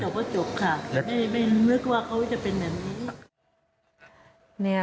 ถ้าจบก็จบค่ะไม่เลือกว่าเขาจะเป็นอย่างนี้